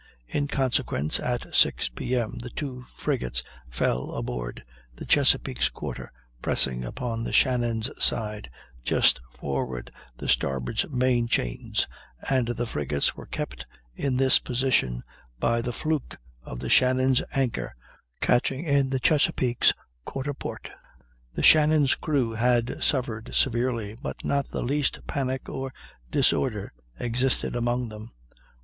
In consequence, at 6 P.M. the two frigates fell aboard, the Chesapeake's quarter pressing upon the Shannon's side just forward the starboard main chains, and the frigates were kept in this position by the fluke of the Shannon's anchor catching in the Chesapeake's quarter port. The Shannon's crew had suffered severely, but not the least panic or disorder existed among them.